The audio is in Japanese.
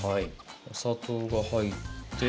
お砂糖が入って。